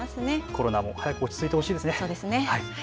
コロナも早く落ち着いてほしいですね。